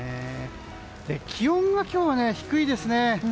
気温が今日は低いですね。